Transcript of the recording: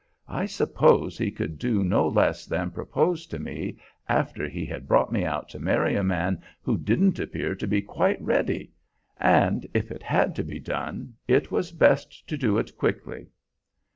I suppose he could do no less than propose to me, after he had brought me out to marry a man who didn't appear to be quite ready; and if it had to be done, it was best to do it quickly."